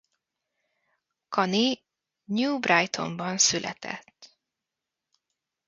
Kani New Brightonban született.